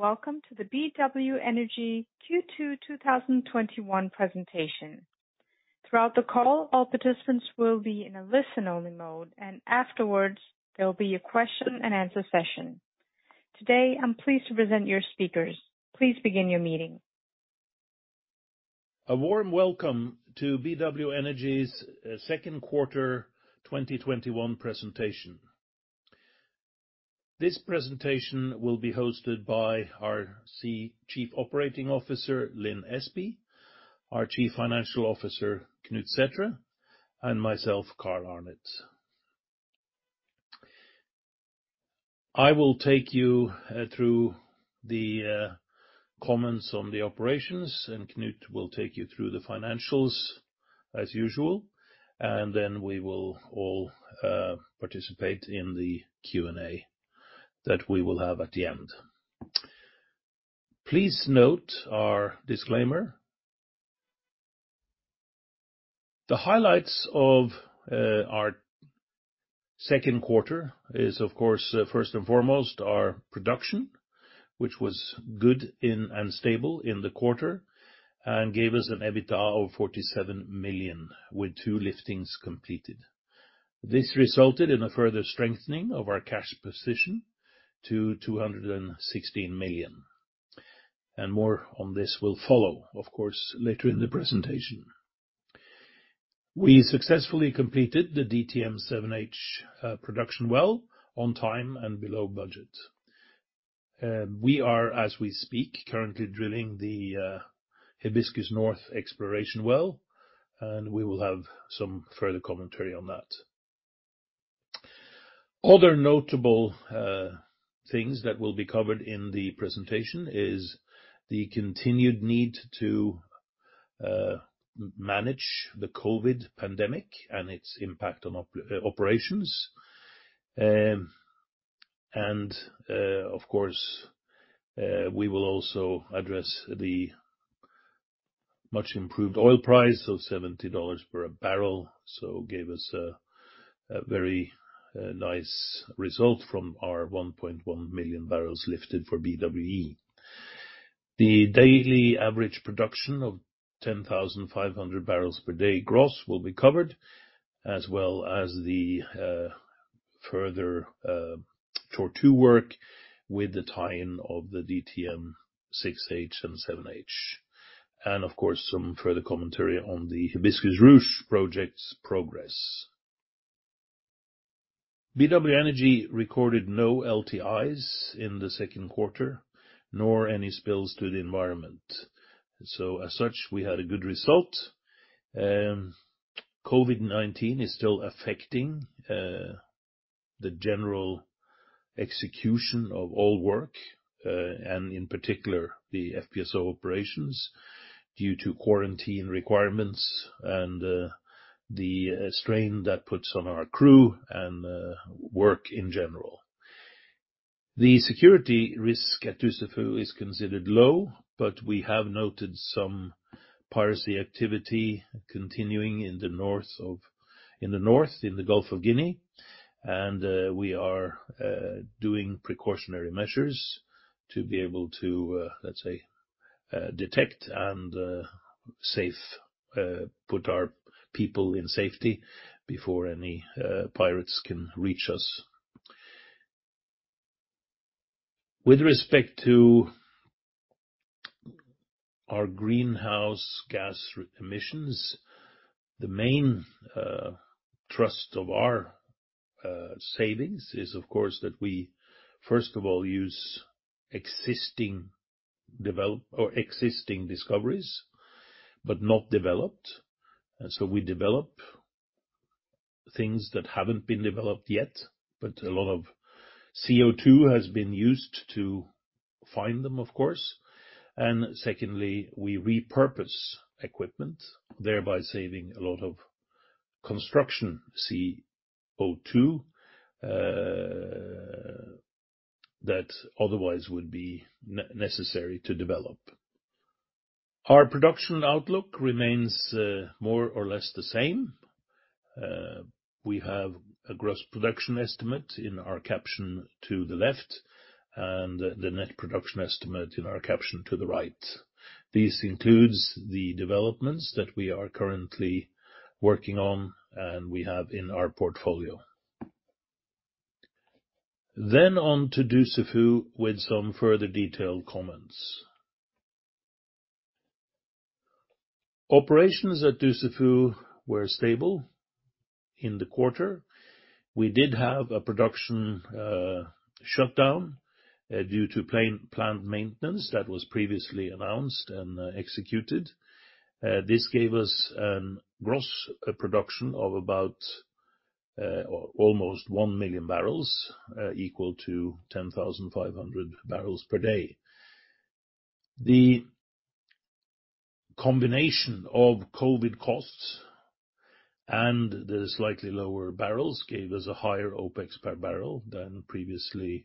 Hello, welcome to the BW Energy Q2 2021 presentation. Throughout the call, all participants will be in a listen-only mode, and afterwards, there'll be a question and answer session. Today, I'm pleased to present your speakers. A warm welcome to BW Energy's second quarter 2021 presentation. This presentation will be hosted by our Chief Operating Officer, Lin Espey, our Chief Financial Officer, Knut Sæthre, and myself, Carl Arnet. I will take you through the comments on the operations, and Knut will take you through the financials as usual, and then we will all participate in the Q&A that we will have at the end. Please note our disclaimer. The highlights of our second quarter is, of course, first and foremost our production, which was good and stable in the quarter, and gave us an EBITDA of $47 million with two liftings completed. This resulted in a further strengthening of our cash position to $216 million. More on this will follow, of course, later in the presentation. We successfully completed the DTM-7H production well on time and below budget. We are, as we speak, currently drilling the Hibiscus North exploration well, and we will have some further commentary on that. Other notable things that will be covered in the presentation is the continued need to manage the COVID pandemic and its impact on operations. Of course, we will also address the much improved oil price of $70 per barrel, gave us a very nice result from our 1.1 million barrels lifted for BWE. The daily average production of 10,500 barrels per day gross will be covered, as well as the further Tortue phase II work with the tie-in of the DTM-6H and 7H. Of course, some further commentary on the Hibiscus-Ruche project's progress. BW Energy recorded no LTIs in the second quarter, nor any spills to the environment. As such, we had a good result. COVID-19 is still affecting the general execution of all work, and in particular, the FPSO operations due to quarantine requirements and the strain that puts on our crew and work in general. The security risk at Dussafu is considered low, but we have noted some piracy activity continuing in the north, in the Gulf of Guinea. We are doing precautionary measures to be able to, let's say, detect and put our people in safety before any pirates can reach us. With respect to our greenhouse gas emissions, the main thrust of our savings is, of course, that we first of all use existing discoveries, but not developed. We develop things that haven't been developed yet, but a lot of CO2 has been used to find them, of course. Secondly, we repurpose equipment, thereby saving a lot of construction CO2 that otherwise would be necessary to develop. Our production outlook remains more or less the same. We have a gross production estimate in our caption to the left, and the net production estimate in our caption to the right. This includes the developments that we are currently working on and we have in our portfolio. On to Dussafu with some further detailed comments. Operations at Dussafu were stable in the quarter. We did have a production shutdown due to planned maintenance that was previously announced and executed. This gave us a gross production of almost one million barrels, equal to 10,500 barrels per day. The combination of COVID costs and the slightly lower barrels gave us a higher OpEx per barrel than we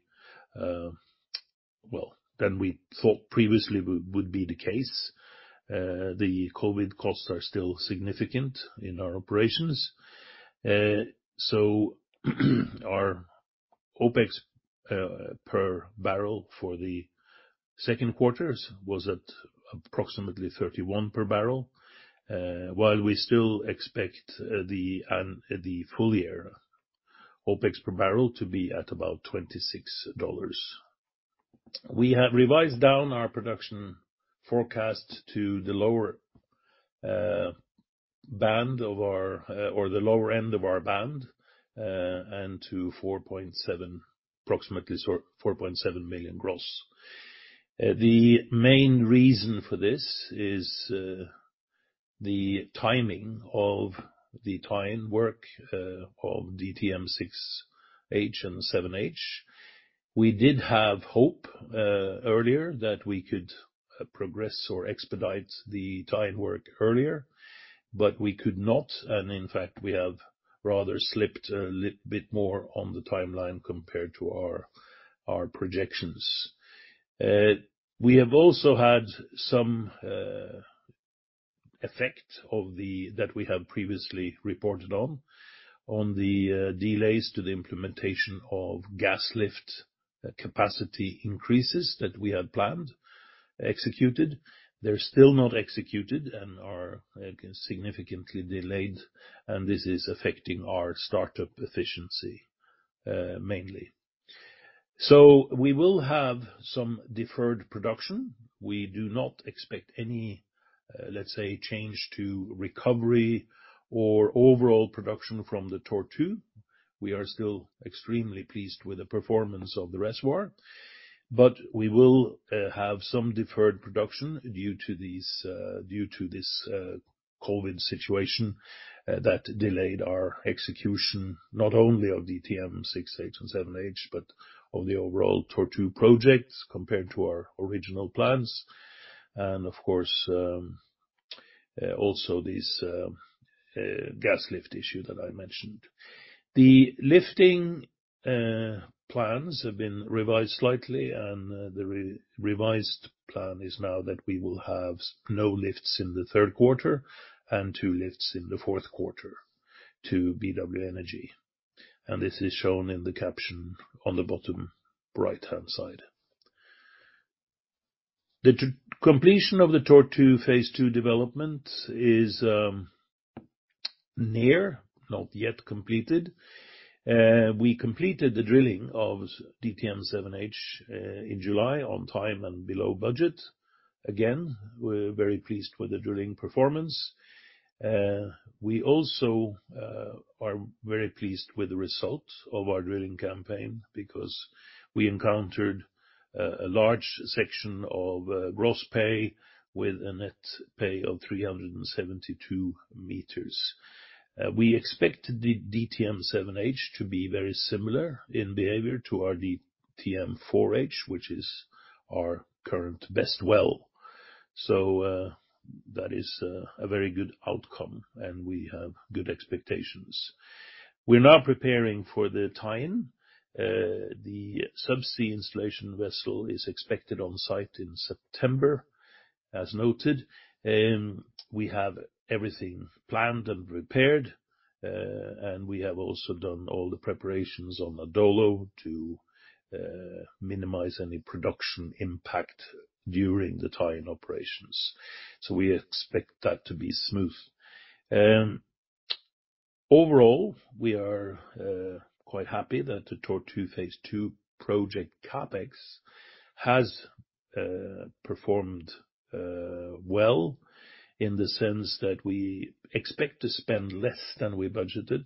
thought previously would be the case. The COVID costs are still significant in our operations. Our OpEx per barrel for the second quarters was at approximately $31 per barrel, while we still expect the full year OpEx per barrel to be at about $26. We have revised down our production forecast to the lower end of our band, and to approximately 4.7 million gross. The main reason for this is the timing of the tie-in work of DTM-6H and -7H. We did have hope earlier that we could progress or expedite the tie-in work earlier, but we could not, and in fact, we have rather slipped a little bit more on the timeline compared to our projections. We have also had some effect that we have previously reported on the delays to the implementation of gas lift capacity increases that we had planned, executed. They're still not executed and are significantly delayed, and this is affecting our startup efficiency, mainly. We will have some deferred production. We do not expect any, let's say, change to recovery or overall production from the Tortue. We are still extremely pleased with the performance of the reservoir. We will have some deferred production due to this COVID situation that delayed our execution, not only of DTM-6H and DTM-7H, but of the overall Tortue projects compared to our original plans. Of course, also this gas lift issue that I mentioned. The lifting plans have been revised slightly, and the revised plan is now that we will have no lifts in the 3rd quarter and two lifts in the 4th quarter to BW Energy. This is shown in the caption on the bottom right-hand side. The completion of the Tortue Phase 2 development is near, not yet completed. We completed the drilling of DTM-7H in July, on time and below budget. Again, we're very pleased with the drilling performance. We also are very pleased with the result of our drilling campaign because we encountered a large section of gross pay with a net pay of 372 m. We expect the DTM-7H to be very similar in behavior to our DTM-4H, which is our current best well. That is a very good outcome, and we have good expectations. We're now preparing for the tie-in. The subsea installation vessel is expected on site in September, as noted. We have everything planned and prepared, and we have also done all the preparations on BW Adolo to minimize any production impact during the tie-in operations. We expect that to be smooth. Overall, we are quite happy that the Tortue phase II project CapEx has performed well in the sense that we expect to spend less than we budgeted,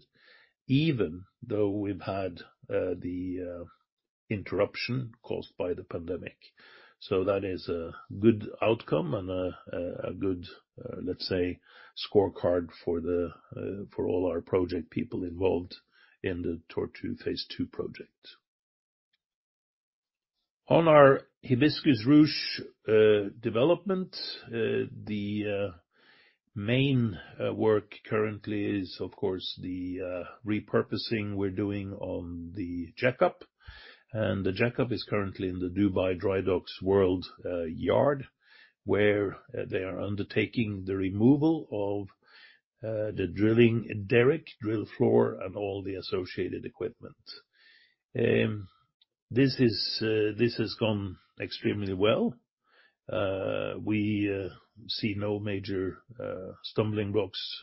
even though we've had the interruption caused by the pandemic. That is a good outcome and a good, let's say, scorecard for all our project people involved in the Tortue phase II project. On our Hibiscus-Ruche development, the main work currently is, of course, the repurposing we're doing on the jackup. The jackup is currently in the Drydocks World Dubai, where they are undertaking the removal of the drilling derrick, drill floor, and all the associated equipment. This has gone extremely well. We see no major stumbling blocks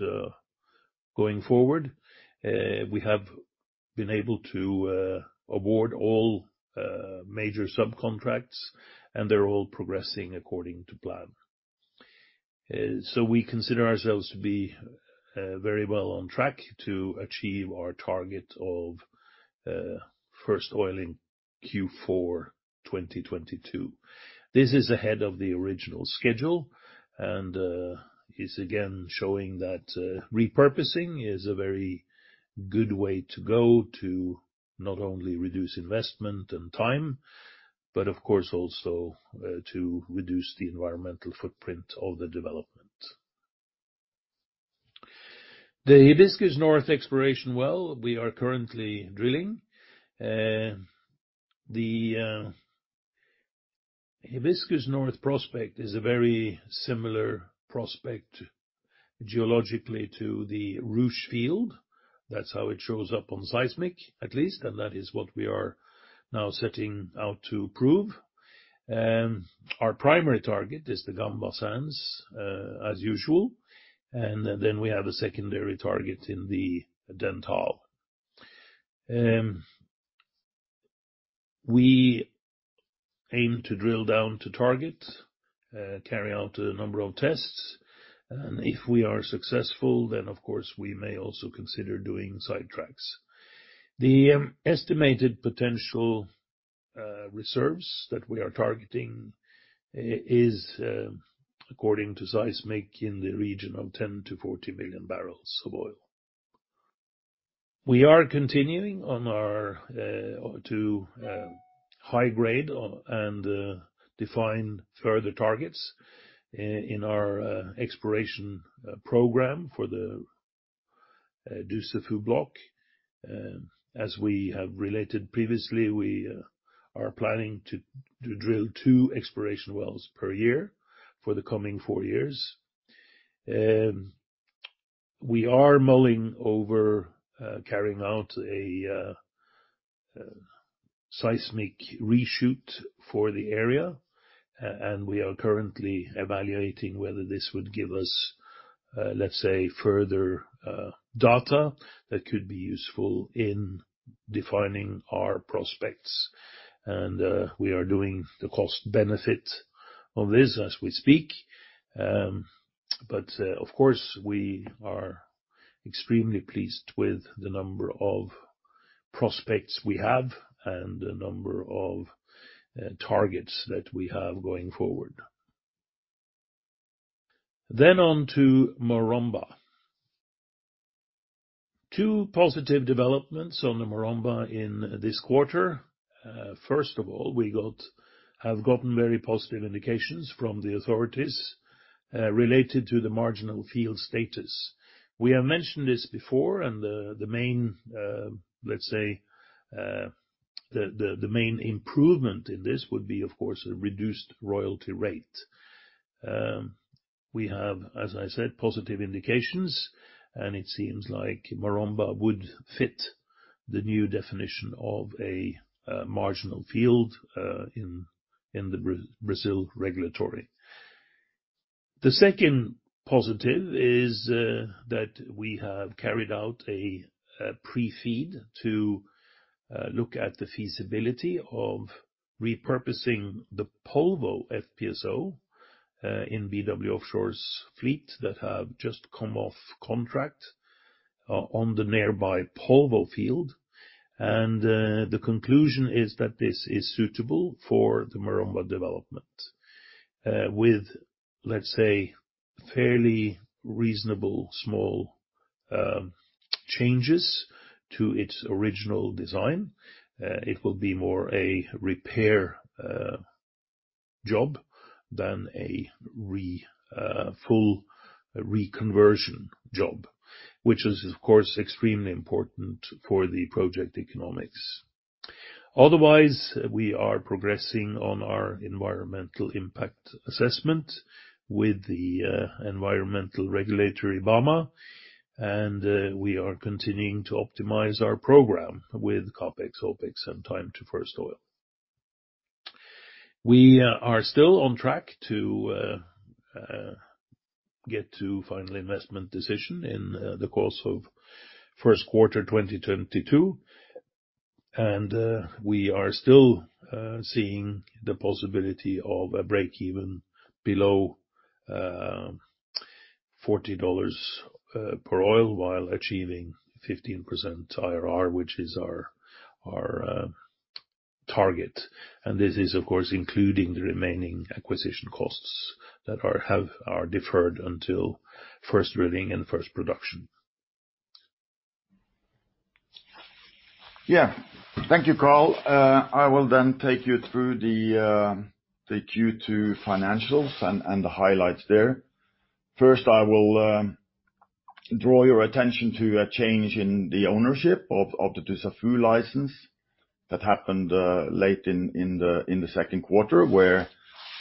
going forward. We have been able to award all major subcontracts, and they're all progressing according to plan. We consider ourselves to be very well on track to achieve our target of first oil in Q4 2022. This is ahead of the original schedule, and is again showing that repurposing is a very good way to go to not only reduce investment and time, but of course, also to reduce the environmental footprint of the development. The Hibiscus North exploration well, we are currently drilling. The Hibiscus North Prospect is a very similar prospect geologically to the Ruche field. That's how it shows up on seismic, at least, and that is what we are now setting out to prove. Our primary target is the Gamba Sands, as usual, and then we have a secondary target in the Dentale. We aim to drill down to target, carry out a number of tests, and if we are successful, then of course, we may also consider doing sidetracks. The estimated potential reserves that we are targeting is according to seismic in the region of 10 million-40 million barrels of oil. We are continuing to high grade and define further targets in our exploration program for the Dussafu block. As we have related previously, we are planning to drill two exploration wells per year for the coming four years. We are mulling over carrying out a seismic reshoot for the area. We are currently evaluating whether this would give us further data that could be useful in defining our prospects. We are doing the cost benefit of this as we speak. Of course, we are extremely pleased with the number of prospects we have and the number of targets that we have going forward. On to Maromba. Two positive developments on the Maromba in this quarter. First of all, we have gotten very positive indications from the authorities related to the marginal field status. We have mentioned this before, and the main improvement in this would be, of course, a reduced royalty rate. We have, as I said, positive indications, and it seems like Maromba would fit the new definition of a marginal field in the Brazil regulatory. The second positive is that we have carried out a pre-feed to look at the feasibility of repurposing the Polvo FPSO in BW Offshore's fleet that have just come off contract on the nearby Polvo field. The conclusion is that this is suitable for the Maromba development with fairly reasonable small changes to its original design. It will be more a repair job than a full reconversion job, which is, of course, extremely important for the project economics. Otherwise, we are progressing on our environmental impact assessment with the environmental regulatory IBAMA, and we are continuing to optimize our program with CapEx, OpEx, and time to first oil. We are still on track to get to final investment decision in the course of first quarter 2022, and we are still seeing the possibility of a break-even below $40 per oil while achieving 15% IRR, which is our target. This is, of course, including the remaining acquisition costs that are deferred until first drilling and first production. Yeah. Thank you, Carl. I will then take you through the Q2 financials and the highlights there. First, I will draw your attention to a change in the ownership of the Dussafu license that happened late in the second quarter, where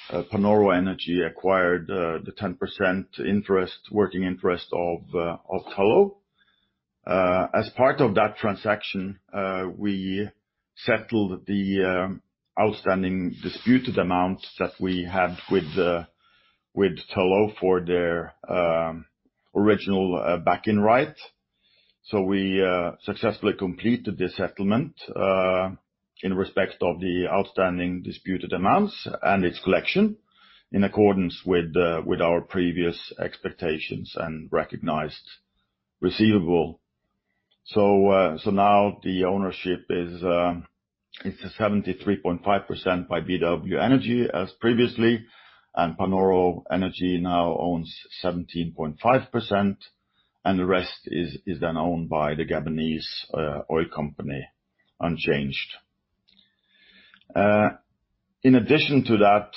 Panoro Energy acquired the 10% working interest of Tullow Oil. As part of that transaction, we settled the outstanding disputed amounts that we had with Tullow Oil for their original back-end right. We successfully completed the settlement in respect of the outstanding disputed amounts and its collection in accordance with our previous expectations and recognized receivable. Now the ownership is 73.5% by BW Energy as previously, and Panoro Energy now owns 17.5%, and the rest is then owned by the Gabon Oil Company, unchanged. In addition to that,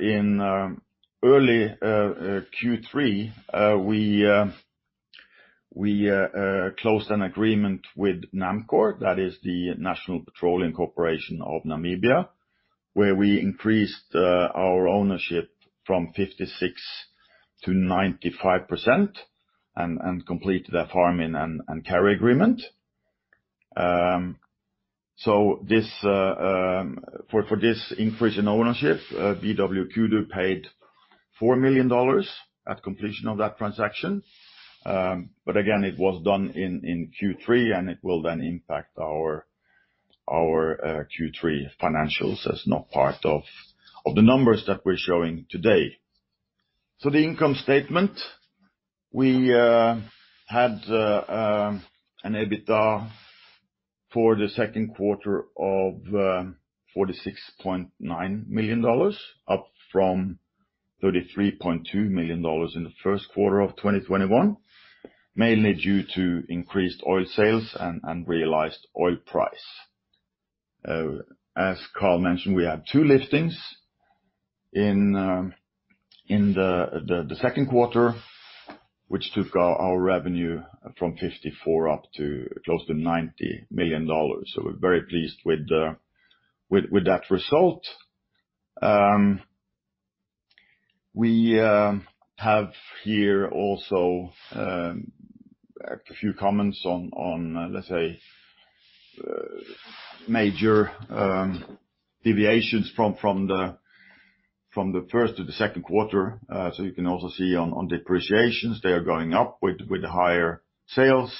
in early Q3, We closed an agreement with NAMCOR, that is the National Petroleum Corporation of Namibia, where we increased our ownership from 56% to 95% and completed a farm-in and carry agreement. For this increase in ownership, BW Kudu paid $4 million at completion of that transaction. But again, it was done in Q3, and it will then impact our Q3 financials as not part of the numbers that we're showing today. The income statement, we had an EBITDA for the second quarter of $46.9 million, up from $33.2 million in the first quarter of 2021, mainly due to increased oil sales and realized oil price. As Carl mentioned, we had two liftings in the second quarter, which took our revenue from $54 up to close to $90 million. We're very pleased with that result. We have here also a few comments on, let's say, major deviations from the first to the second quarter. You can also see on depreciations, they are going up with higher sales.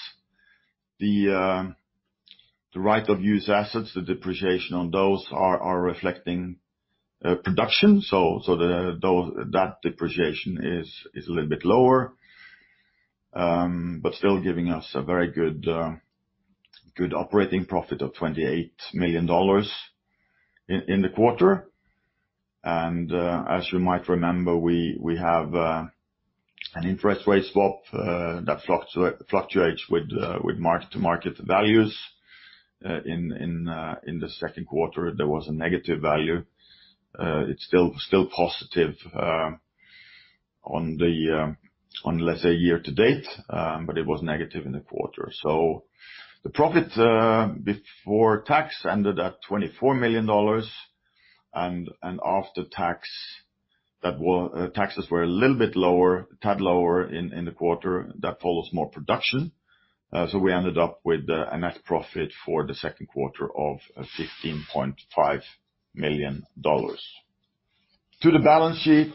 The right of use assets, the depreciation on those are reflecting production. That depreciation is a little bit lower, but still giving us a very good operating profit of $28 million in the quarter. As you might remember, we have an interest rate swap that fluctuates with mark-to-market values. In the second quarter, there was a negative value. It's still positive on, let's say, year-to-date, but it was negative in the quarter. The profit before tax ended at $24 million. After tax, taxes were a little bit lower, a tad lower in the quarter. That follows more production. We ended up with a net profit for the second quarter of $15.5 million. To the balance sheet,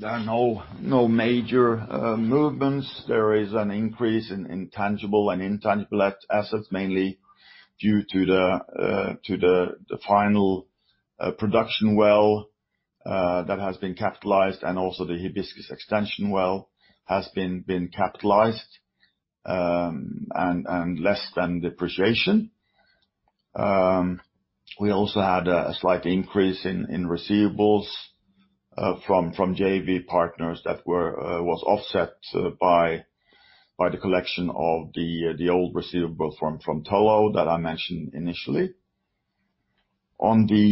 there are no major movements. There is an increase in tangible and intangible assets, mainly due to the final production well that has been capitalized and also the Hibiscus extension well has been capitalized, and less than depreciation. We also had a slight increase in receivables from JV partners that was offset by the collection of the old receivable from Tullow Oil that I mentioned initially. On the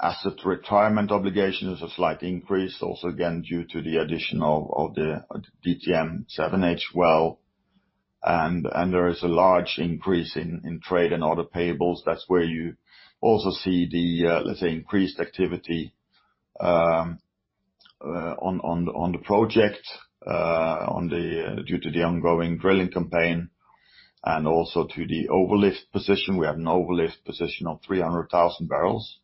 asset retirement obligation, there's a slight increase also again, due to the addition of the DTM-7H well, and there is a large increase in trade and other payables. That's where you also see the, let's say, increased activity on the project due to the ongoing drilling campaign and also to the overlift position. We have an overlift position of 300,000 barrels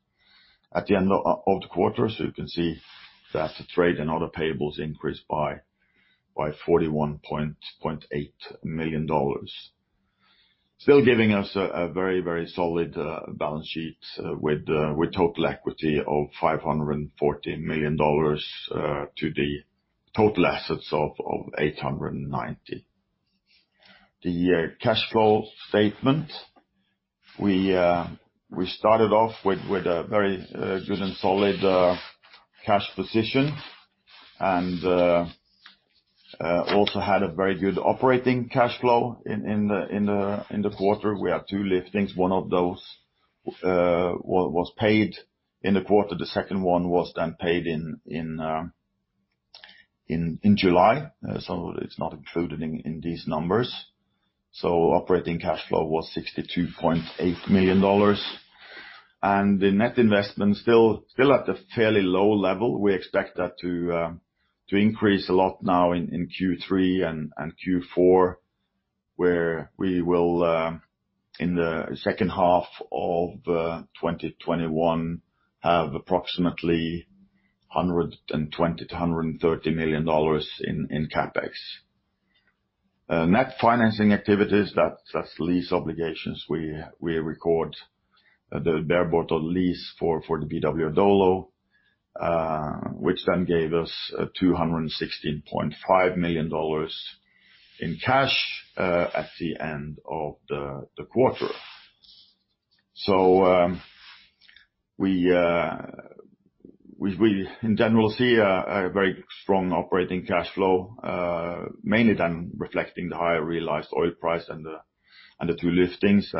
at the end of the quarter. You can see that the trade and other payables increased by $41.8 million. Still giving us a very solid balance sheet with total equity of $540 million to the total assets of $890 million. The cash flow statement. We started off with a very good and solid cash position and also had a very good operating cash flow in the quarter. We had 2 liftings. One of those was paid in the quarter. The second one was paid in July. It's not included in these numbers. Operating cash flow was $62.8 million. The net investment is still at a fairly low level. We expect that to increase a lot now in Q3 and Q4, where we will, in the second half of 2021, have approximately $120 million-$130 million in CapEx. Net financing activities, that's lease obligations. We record the bareboat lease for the BW Adolo, which then gave us $216.5 million in cash at the end of the quarter. We, in general, see a very strong operating cash flow, mainly then reflecting the higher realized oil price and the two liftings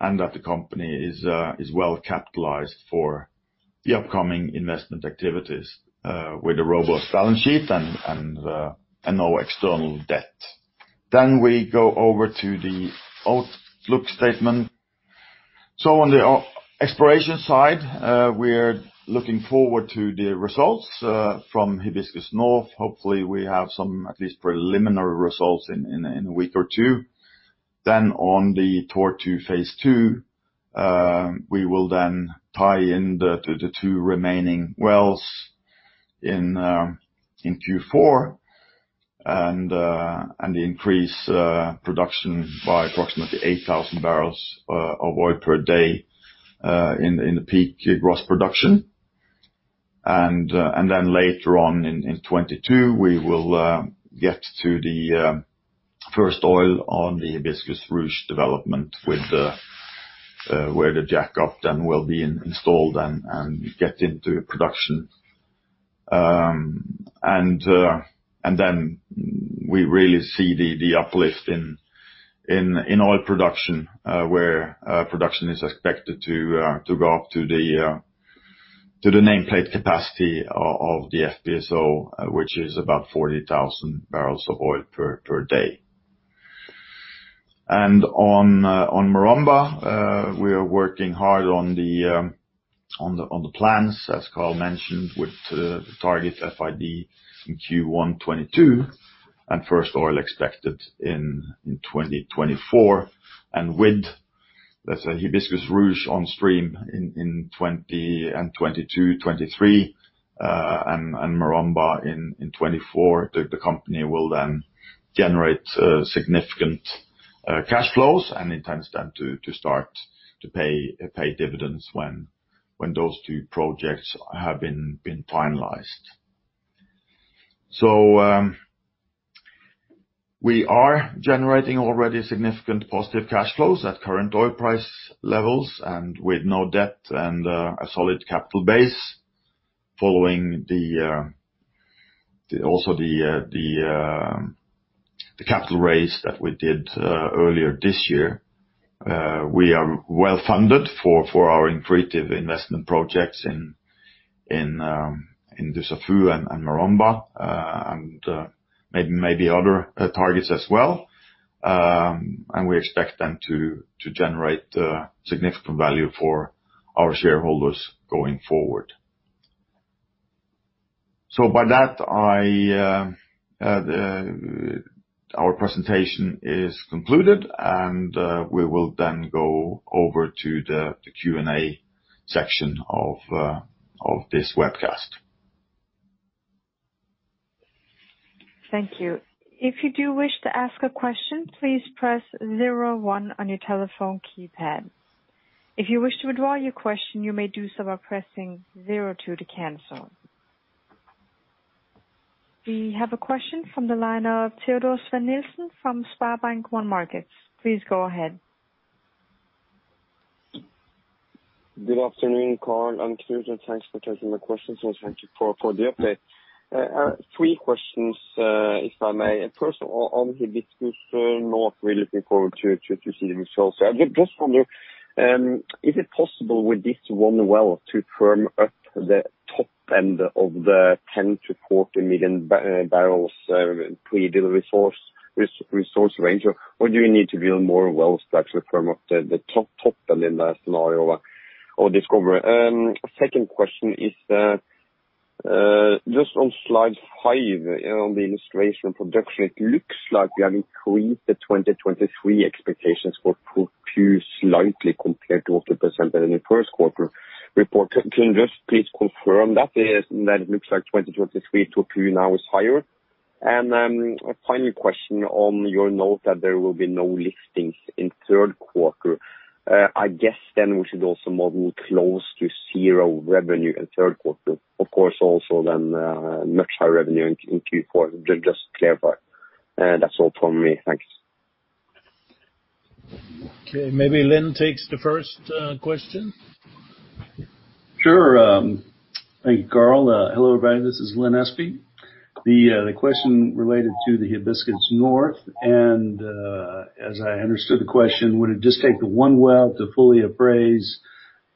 and that the company is well-capitalized for the upcoming investment activities with a robust balance sheet and no external debt. We go over to the outlook statement. On the exploration side, we're looking forward to the results from Hibiscus North. Hopefully, we have some at least preliminary results in a week or two. On the Tortue phase II, we will then tie in the two remaining wells in Q4 and increase production by approximately 8,000 barrels of oil per day in the peak gross production. Later on in 2022, we will get to the first oil on the Hibiscus-Ruche development, where the jackup then will be installed and get into production. Then we really see the uplift in oil production, where production is expected to go up to the nameplate capacity of the FPSO, which is about 40,000 barrels of oil per day. On Maromba, we are working hard on the plans, as Carl mentioned, with the target FID in Q1 2022, and first oil expected in 2024. With, let's say, Hibiscus-Ruche on stream in 2022, 2023, and Maromba in 2024, the company will then generate significant cash flows and intends then to start to pay dividends when those two projects have been finalized. We are generating already significant positive cash flows at current oil price levels and with no debt and a solid capital base following also the capital raise that we did earlier this year. We are well-funded for our accretive investment projects in Dussafu and Maromba, and maybe other targets as well. We expect them to generate significant value for our shareholders going forward. By that, our presentation is concluded, and we will then go over to the Q&A section of this webcast. Thank you. If you do wish to ask a question, please press 01 on your telephone keypad. If you wish to withdraw your question, you may do so by pressing 02 to cancel. We have a question from the line of Teodor Sveen-Nilsen from SpareBank 1 Markets. Please go ahead. Good afternoon, Carl and Knut. Thanks for taking my questions and thank you for the update. Three questions, if I may. First, on Hibiscus North, we're looking forward to seeing results. I just wonder, is it possible with this one well to firm up the top end of the 10 million-40 million barrels pre-drill resource range, or do you need to build more wells to actually firm up the top end in that scenario or discover it? Second question is, just on slide 5, on the illustration production, it looks like we have increased the 2023 expectations for Tortue slightly compared to what was presented in the first quarter report. Can you just please confirm that, is that it looks like 2023 Tortue now is higher? A final question on your note that there will be no listings in third quarter. I guess we should also model close to zero revenue in third quarter. Of course, also much higher revenue in Q4. Just clarify. That's all from me. Thanks. Okay. Maybe Lin Espey takes the first question. Sure. Thank you, Carl. Hello, everybody. This is Lin Espey. The question related to the Hibiscus North, and as I understood the question, would it just take the 1 well to fully appraise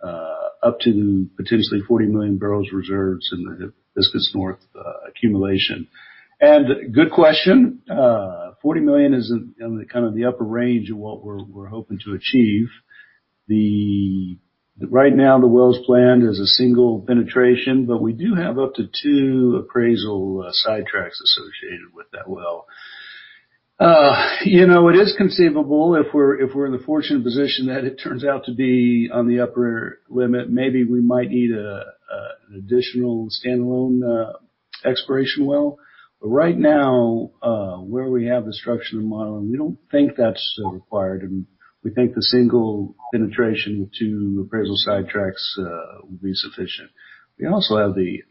up to potentially 40 million barrels reserves in the Hibiscus North accumulation? Good question. 40 million is in the upper range of what we're hoping to achieve. Right now, the wells plan is a single penetration, but we do have up to 2 appraisal sidetracks associated with that well. It is conceivable if we're in the fortunate position that it turns out to be on the upper limit, maybe we might need an additional standalone exploration well. Right now, where we have the structural modeling, we don't think that's required, and we think the single penetration to appraisal sidetracks will be sufficient. We also have the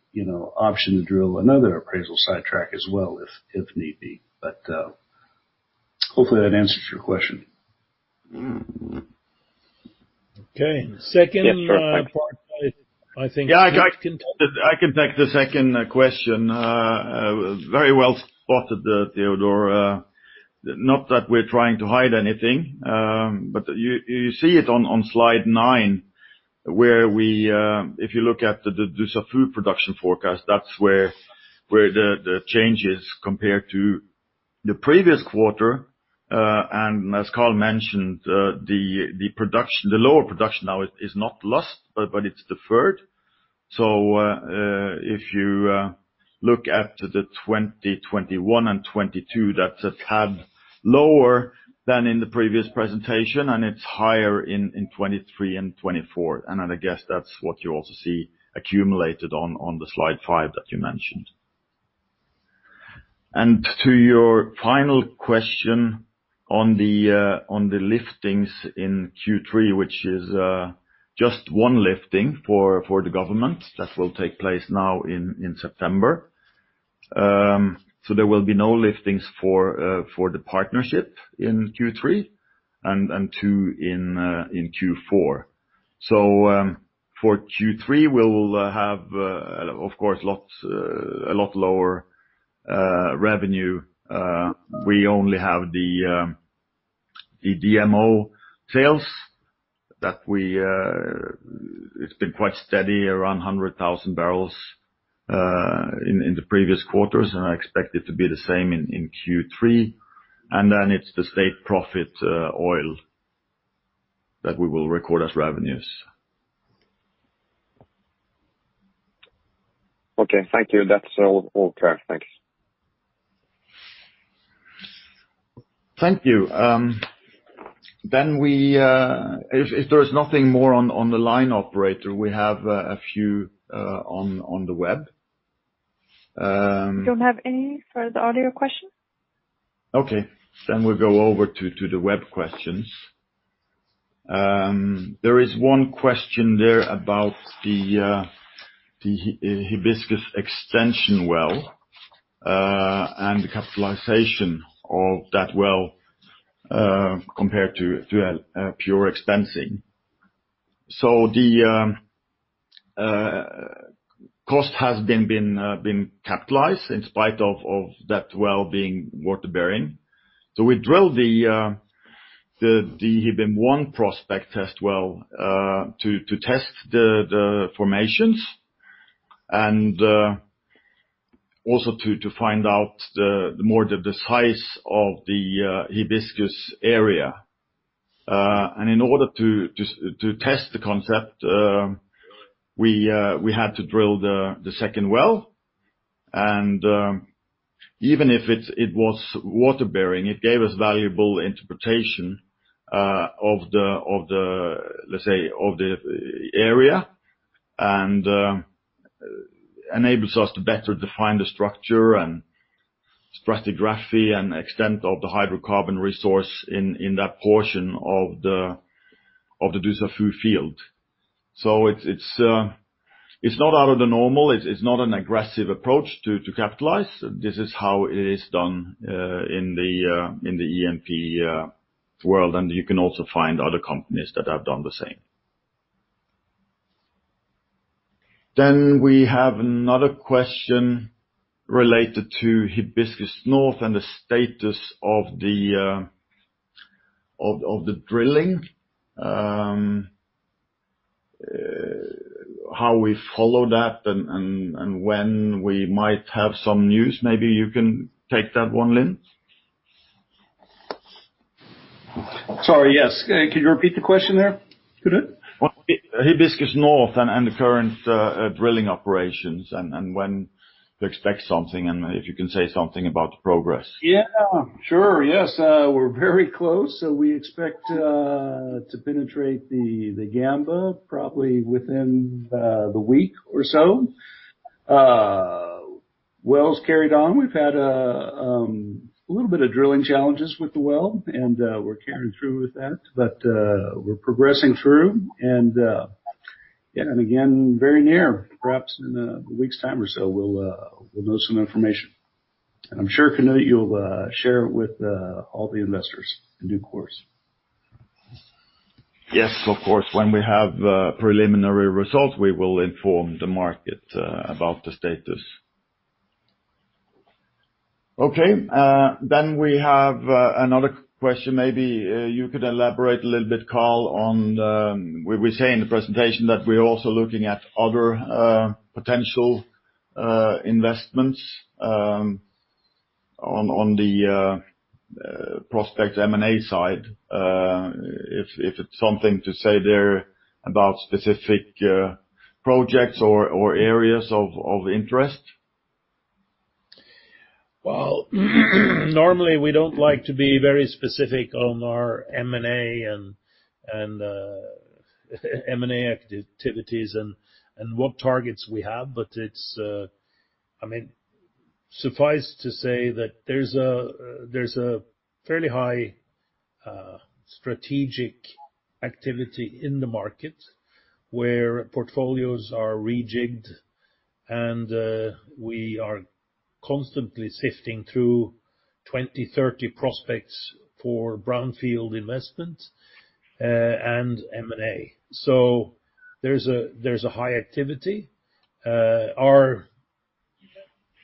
option to drill another appraisal sidetrack as well, if need be. Hopefully that answers your question. Okay. Second part, Yeah, I can take the second question. Very well spotted, Teodor Sveen-Nilsen. Not that we're trying to hide anything, but you see it on slide nine, if you look at the Dussafu production forecast, that's where the change is compared to the previous quarter. As Carl mentioned, the lower production now is not lost, but it's deferred. If you look at the 2021 and 2022, that's a tad lower than in the previous presentation, and it's higher in 2023 and 2024. I guess that's what you also see accumulated on the slide 5 that you mentioned. To your final question on the liftings in Q3, which is just 1 lifting for the government. That will take place now in September. There will be no liftings for the partnership in Q3, and two in Q4. For Q3, we will have, of course, a lot lower revenue. We only have the DMO sales that it's been quite steady around 100,000 barrels in the previous quarters, and I expect it to be the same in Q3. It's the state profit oil that we will record as revenues. Okay. Thank you. That's all clear. Thanks. Thank you. If there is nothing more on the line operator, we have a few on the web. We don't have any for the audio questions. Okay. We'll go over to the web questions. There is 1 question there about the Hibiscus extension well, and the capitalization of that well, compared to a pure expensing. The cost has been capitalized in spite of that well being water-bearing. We drill the Hibiscus prospect test well to test the formations and also to find out more the size of the Hibiscus area. In order to test the concept, we had to drill the second well. Even if it was water-bearing, it gave us valuable interpretation of the area and enables us to better define the structure and stratigraphy and extent of the hydrocarbon resource in that portion of the Dussafu field. It's not out of the normal. It's not an aggressive approach to capitalize. This is how it is done in the E&P world, and you can also find other companies that have done the same. We have another question related to Hibiscus North and the status of the drilling. How we follow that and when we might have some news. Maybe you can take that one, Lin? Sorry, yes. Could you repeat the question there? Could I? Hibiscus North and the current drilling operations, and when to expect something, and if you can say something about the progress? Yeah. Sure. Yes. We're very close, so we expect to penetrate the Gamba probably within the week or so. Well's carried on. We've had a little bit of drilling challenges with the well, and we're carrying through with that, but we're progressing through and again, very near. Perhaps in a week's time or so, we'll know some information. I'm sure, Knut, you'll share it with all the investors in due course. Yes, of course. When we have preliminary results, we will inform the market about the status. Okay, we have another question. Maybe you could elaborate a little bit, Carl Arnet, on we say in the presentation that we are also looking at other potential investments on the prospect M&A side. If it's something to say there about specific projects or areas of interest. Well, normally we don't like to be very specific on our M&A activities and what targets we have, but suffice to say that there's a fairly high strategic activity in the market where portfolios are rejigged. We are constantly sifting through 20, 30 prospects for brownfield investment and M&A. There's a high activity. Our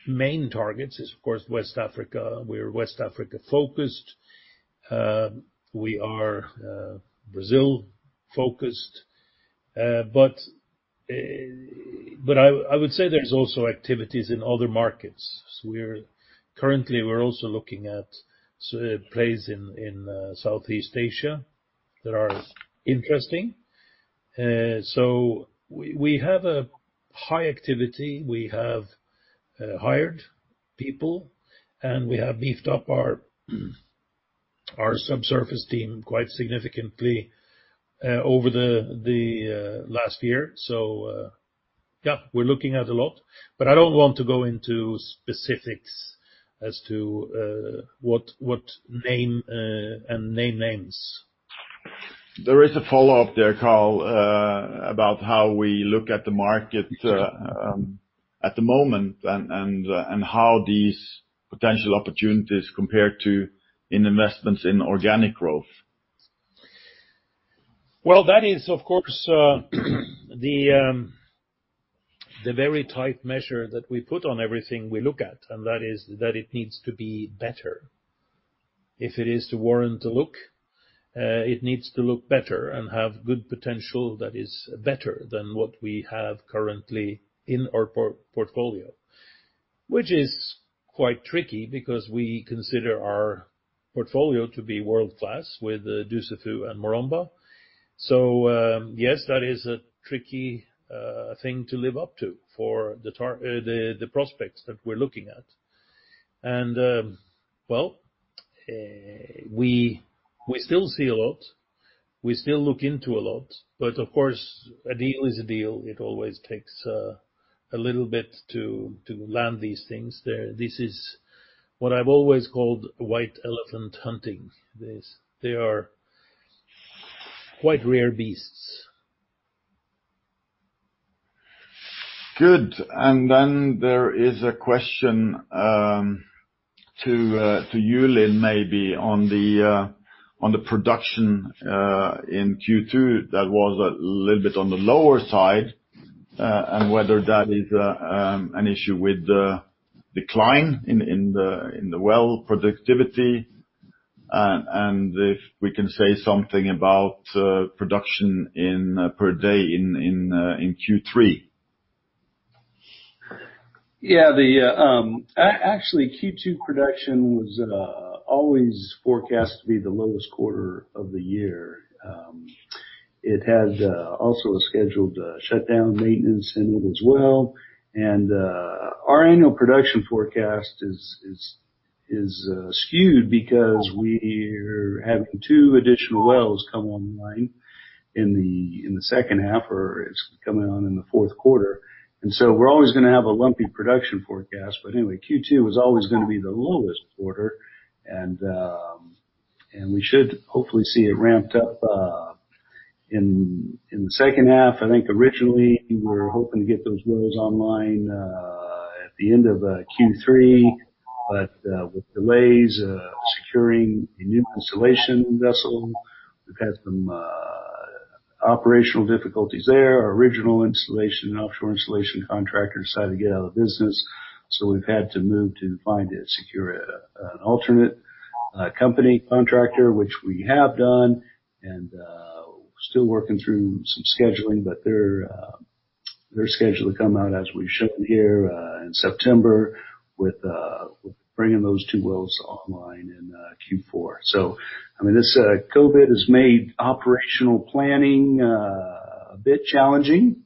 main targets is, of course, West Africa. We're West Africa-focused. We are Brazil-focused. I would say there's also activities in other markets. Currently, we're also looking at plays in Southeast Asia that are interesting. We have a high activity. We have hired people, and we have beefed up our subsurface team quite significantly over the last year. Yeah, we're looking at a lot, but I don't want to go into specifics as to what name and name names. There is a follow-up there, Carl, about how we look at the market at the moment and how these potential opportunities compare to investments in organic growth. Well, that is, of course, the very tight measure that we put on everything we look at, and that is that it needs to be better. If it is to warrant a look, it needs to look better and have good potential that is better than what we have currently in our portfolio, which is quite tricky because we consider our portfolio to be world-class with Dussafu and Maromba. Yes, that is a tricky thing to live up to for the prospects that we're looking at. Well, we still see a lot. We still look into a lot, but of course, a deal is a deal. It always takes a little bit to land these things there. This is what I've always called white elephant hunting. They are quite rare beasts. Good. There is a question to you, Lin, maybe, on the production in Q2 that was a little bit on the lower side, and whether that is an issue with the decline in the well productivity, and if we can say something about production per day in Q3? Yeah. Actually, Q2 production was always forecast to be the lowest quarter of the year. It had also a scheduled shutdown maintenance in it as well, and our annual production forecast is skewed because we're having two additional wells come online in the second half or it's coming on in the fourth quarter. We're always going to have a lumpy production forecast, but anyway, Q2 is always going to be the lowest quarter, and we should hopefully see it ramped up in the second half. I think originally we were hoping to get those wells online at the end of Q3, but with delays securing a new installation vessel, we've had some operational difficulties there. Our original offshore installation contractor decided to get out of business, so we've had to move to find and secure an alternate company contractor, which we have done and still working through some scheduling, but they're scheduled to come out as we've shown here in September with bringing those two wells online in Q4. I mean, this COVID has made operational planning a bit challenging.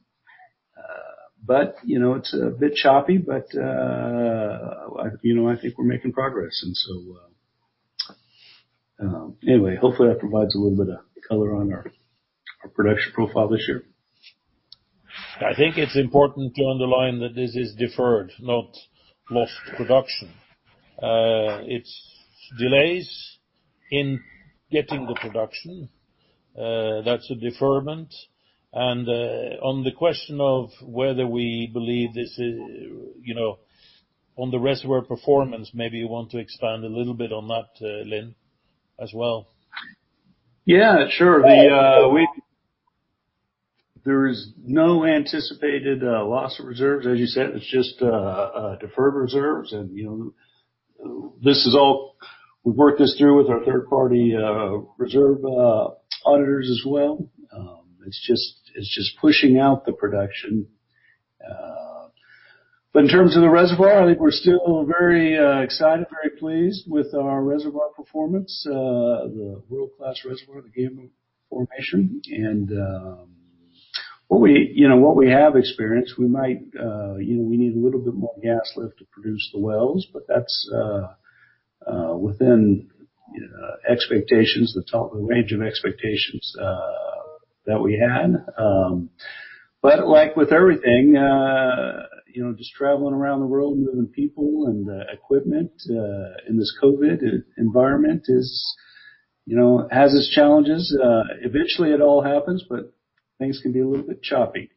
It's a bit choppy, but I think we're making progress and so, anyway, hopefully that provides a little bit of color on our production profile this year. I think it's important to underline that this is deferred, not lost production. It's delays in getting the production. That's a deferment. On the question of whether we believe this is, on the reservoir performance, maybe you want to expand a little bit on that, Lin Espey, as well. Yeah, sure. There is no anticipated loss of reserves. As you said, it's just deferred reserves, and we've worked this through with our third-party reserve auditors as well. It's just pushing out the production. But in terms of the reservoir, I think we're still very excited, very pleased with our reservoir performance, the world-class reservoir, the Gamba formation. And what we have experienced, we need a little bit more gas lift to produce the wells, but that's within expectations, the range of expectations that we had. But like with everything, just traveling around the world, moving people and equipment in this COVID environment is. Has its challenges. Eventually it all happens, but things can be a little bit choppy.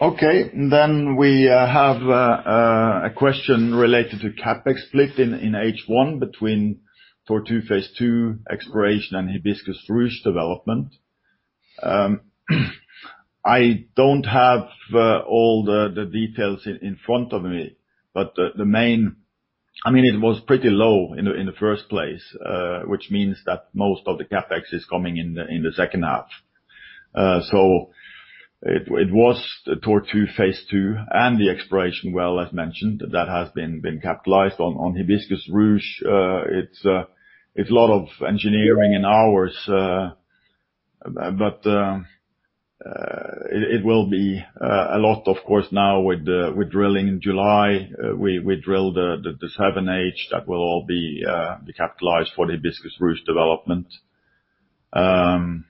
Okay. We have a question related to CapEx split in H1 between Tortue phase II exploration and Hibiscus Ruche development. I don't have all the details in front of me. It was pretty low in the first place, which means that most of the CapEx is coming in the second half. It was Tortue phase II and the exploration well, as mentioned, that has been capitalized on Hibiscus Ruche. It is a lot of engineering and hours. It will be a lot, of course, now with drilling in July. We drill the 7H that will all be capitalized for the Hibiscus Ruche development. We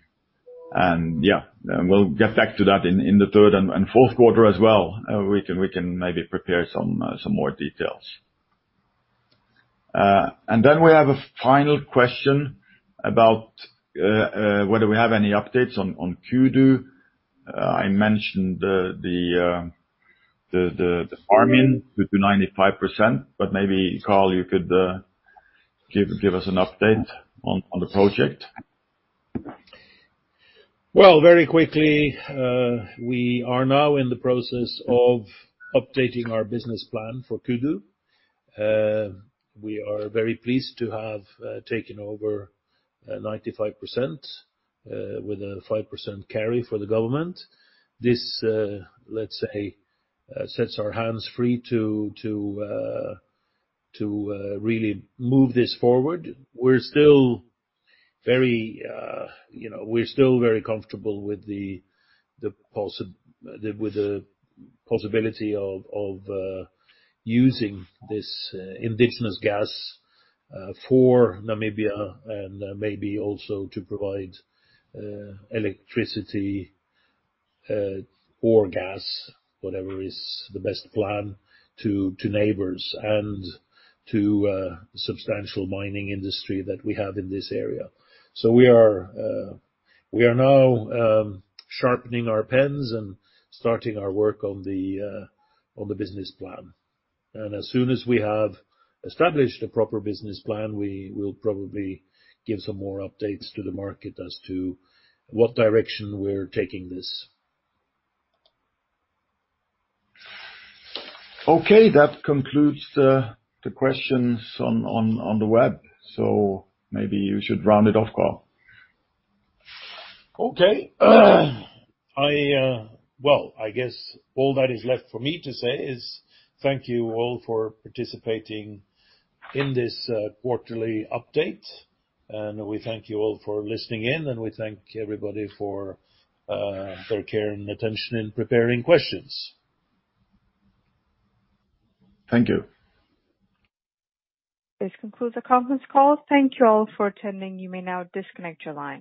will get back to that in the third and fourth quarter as well. We can maybe prepare some more details. We have a final question about whether we have any updates on Kudu. I mentioned the farm in to the 95%. Maybe Carl, you could give us an update on the project. Well, very quickly, we are now in the process of updating our business plan for Kudu. We are very pleased to have taken over 95% with a 5% carry for the government. This, let's say, sets our hands free to really move this forward. We're still very comfortable with the possibility of using this indigenous gas for Namibia and maybe also to provide electricity or gas, whatever is the best plan, to neighbors and to substantial mining industry that we have in this area. We are now sharpening our pens and starting our work on the business plan. As soon as we have established a proper business plan, we will probably give some more updates to the market as to what direction we're taking this. Okay. That concludes the questions on the web. Maybe you should round it off, Carl Arnet. Okay. Well, I guess all that is left for me to say is thank you all for participating in this quarterly update, and we thank you all for listening in, and we thank everybody for their care, and attention in preparing questions. Thank you. This concludes the conference call. Thank you all for attending. You may now disconnect your lines.